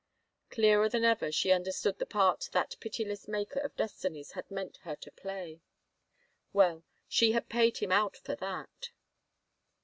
Clearer than ever she understood the part that pitiless maker of destinies had meant her to play. Well, she had paid him out for that